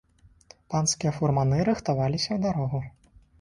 Панскія фурманы рыхтаваліся ў дарогу.